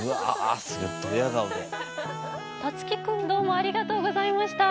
樹生くんどうもありがとうございました！